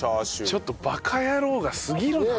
ちょっとバカ野郎がすぎるな。